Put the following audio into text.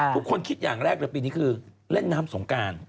ทุกคนคิดอย่างแรกเลยปีนี้คือเล่นน้ำสงการ